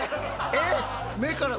えっ？